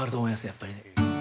やっぱり。